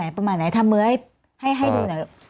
ประมาณไหนทำมือให้ดูหน่อย